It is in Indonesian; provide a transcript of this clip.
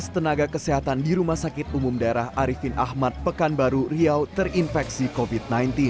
tiga belas tenaga kesehatan di rumah sakit umum daerah arifin ahmad pekanbaru riau terinfeksi covid sembilan belas